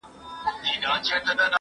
زه به اوږده موده د تکړښت لپاره تللي وم!